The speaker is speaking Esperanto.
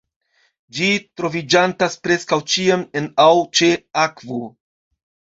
Ĝi troviĝantas preskaŭ ĉiam en aŭ ĉe akvo.